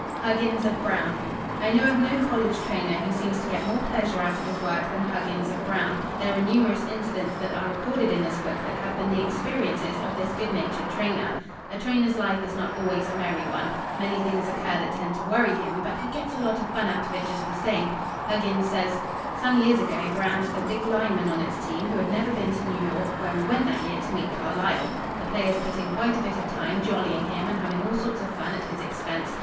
"Huggins of Brown" I know of no college trainer who seems to get more pleasure out of his work than Huggins of Brown. There are numerous incidents that are recorded in this book that have been the experiences of this good natured trainer. A trainer's life is not always a merry one. Many things occur that tend to worry him, but he gets a lot of fun out of it just the same. Huggins says: "Some few years ago Brown had a big lineman on its team who had never been to New York, where we went that year to meet Carlisle. The players put in quite a bit of time jollying him and having all sorts of fun at his expense.